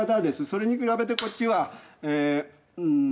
それに比べてこっちはえーんー